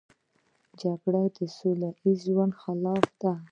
جګړه د سوله ییز ژوند خلاف ده